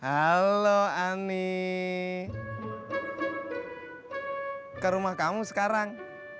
halo ani ke rumah kamu sekarang